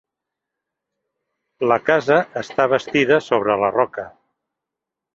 La casa està bastida sobre la roca.